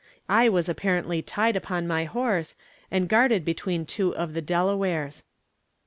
I was apparently tied upon my horse, and guarded between two of the Delawares.